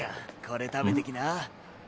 これ食べてきな。